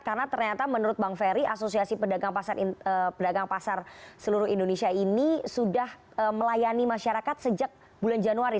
karena ternyata menurut bang ferry asosiasi pedagang pasar seluruh indonesia ini sudah melayani masyarakat sejak bulan januari